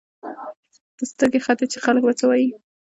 ته سترګې ختې چې خلک به څه وايي.